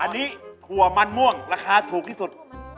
อันนี้ถั่วมันม่วงราคาถูกที่สุด